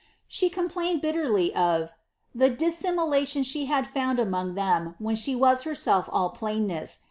'^ She complained bitterly of ^^ the dissimulation that she had found among them when she was herself all plainness.